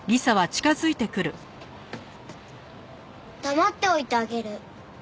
黙っておいてあげる。